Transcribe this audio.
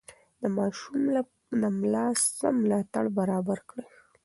د ماشوم د ملا سم ملاتړ برابر کړئ.